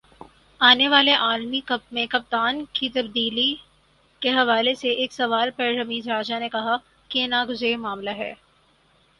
آنے والے عالمی کپ میں کپتان کی تبدیلی کے حوالے سے ایک سوال پر رمیز راجہ نے کہا کہ یہ ناگزیر معاملہ ہے